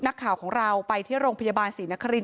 นักข่าวของเราไปที่โรงพยาบาลศรีนคริน